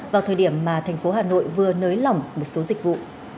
vào thời điểm mà tp hà nội vừa nới lỏng một số dịch vụ